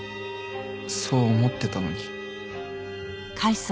そう思ってたのに。